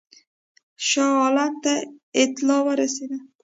شاه عالم ته اطلاع ورسېده.